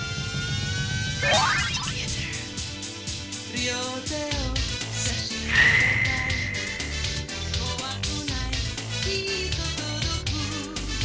「両手をさしのべたい」「こわくないきっと届く」